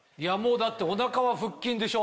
だってお腹は腹筋でしょ？